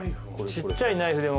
ちっちゃいナイフでも。